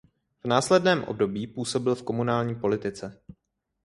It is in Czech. V následném období působil v komunální politice.